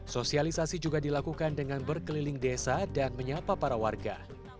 sosialisasi juga dilakukan dengan berkeliling desa dan menyapa para warga